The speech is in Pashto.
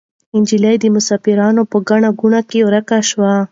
نجلۍ د مسافرانو په ګڼه ګوڼه کې ورکه شوه.